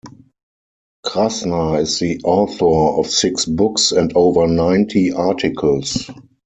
Krasner is the author of six books and over ninety articles.